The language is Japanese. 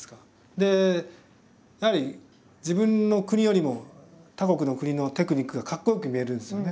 でやはり自分の国よりも他国の国のテクニックがかっこよく見えるんですよね。